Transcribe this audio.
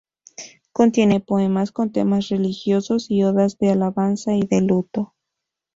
Contiene poemas con temas religiosos y odas de alabanza y de luto.